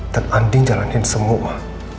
dan andin jalanin semua